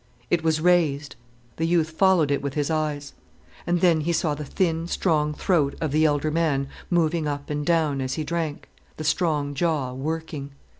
It was raised. The youth followed it with his eyes. And then he saw the thin, strong throat of the elder man moving up and down as he drank, the strong jaw working.